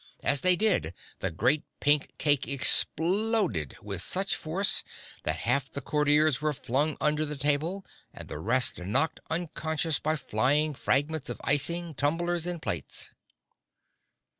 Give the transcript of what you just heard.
As they did, the great pink cake exploded with such force that half the Courtiers were flung under the table and the rest knocked unconscious by flying fragments of icing, tumblers and plates.